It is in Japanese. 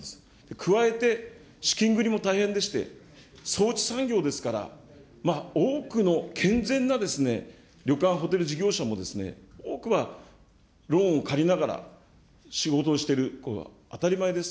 加えて、資金繰りも大変でして、そうち産業ですから、多くの健全な旅館・ホテル事業者も多くはローンを借りながら仕事をしてる、当たり前です。